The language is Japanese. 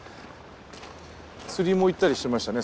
釣りも行ったりしてましたね